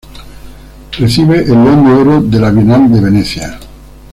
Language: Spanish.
Recibe el León de Oro de la Bienal de Venecia.